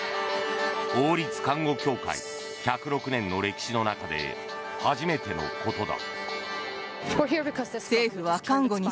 王立看護協会１０６年の歴史の中で初めてのことだ。